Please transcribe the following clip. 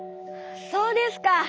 そうですか。